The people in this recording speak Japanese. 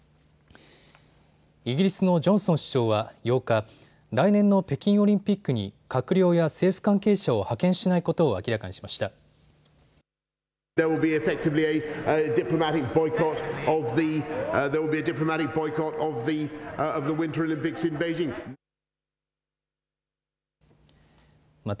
イギリスのジョンソン首相は８日、来年の北京オリンピックに閣僚や政府関係者を派遣しないことを明らかにしました。